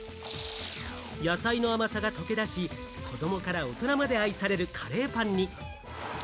野菜の甘さが溶け出し、子どもから大人まで愛されるカレーパンに。